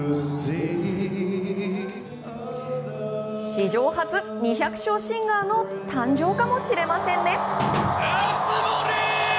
史上初、２００勝シンガーの誕生かもしれませんね。